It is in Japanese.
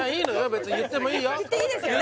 別に言ってもいいよ言っていいですよね？